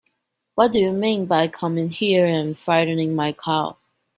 What do you mean by coming here and frightening my cow?